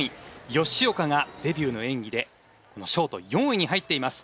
吉岡がデビューの演技でショート４位に入っています。